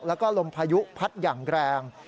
แล้วก็ลมพายุพัดอย่างแรง